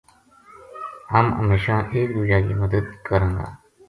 ہم ہمیشاں ایک دُوجا کی مد د کراں گا